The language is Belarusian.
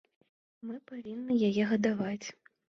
Мы павінны яе гадаваць.